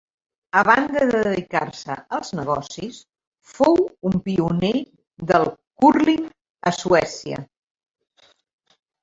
A banda de dedicar-se als negocis, fou un pioner del cúrling a Suècia.